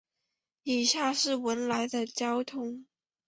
以下是文莱的交通